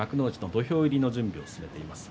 土俵入りの準備を進めています。